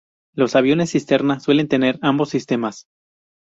Los aviones cisterna suelen tener ambos sistemas.